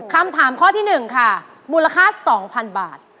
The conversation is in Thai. คำถามข้อที่๑ค่ะมูลค่า๒๐๐๐บาท